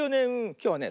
きょうね